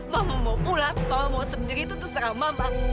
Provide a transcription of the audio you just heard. mama mau pulang mama mau sendiri itu terserah mama